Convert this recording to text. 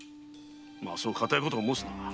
まあそう固いことを申すな。